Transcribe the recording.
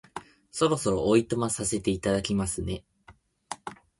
そろそろお暇させていただきますね